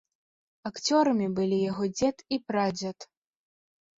Акцёрамі былі яго дзед і прадзед.